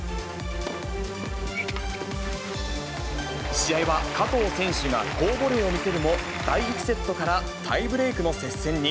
試合は加藤選手が好ボレーを見せるも、第１セットからタイブレークの接戦に。